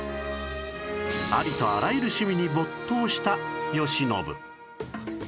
ありとあらゆる趣味に没頭した慶喜